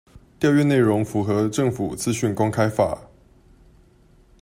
調閱內容符合政府資訊公開法